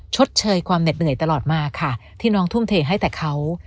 ชดเชยความเหน็ดเหนื่อยตลอดมาค่ะที่น้องทุ่มเทให้แต่เขา